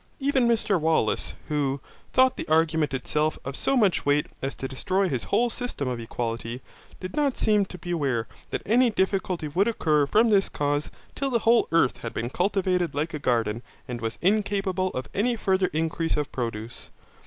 Even Mr Wallace, who thought the argument itself of so much weight as to destroy his whole system of equality, did not seem to be aware that any difficulty would occur from this cause till the whole earth had been cultivated like a garden and was incapable of any further increase of produce.